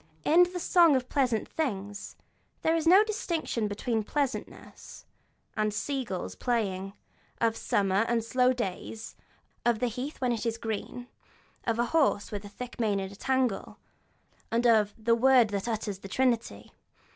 In the 'Song of Pleasant Things' there is no distinction between the pleasantness of sea gulls playing, of summer and slow long days, of the heath when it is green, of a horse with a thick mane in a tangle, and of 'the word that utters the Trinity.'